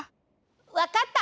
わかった！